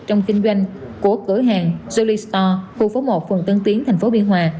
trong kinh doanh của cửa hàng jolie store khu phố một phường tân tiến thành phố biên hòa